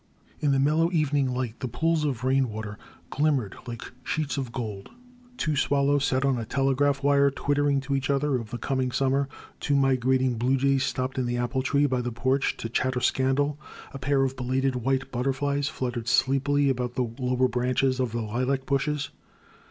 '* In the mellow evening light the pools of rain water glimmered like sheets of gold. Two swal lows sat on a telegraph wire twittering to each other of the coming summer, two migrating blue jays stopped in the apple tree by the porch to chatter scandal. A pair of belated white butter flies fluttered sleepily about the lower branches of the lilac bushes.